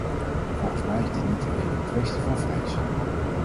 Volgens mij is dit niet alleen een kwestie van vrees.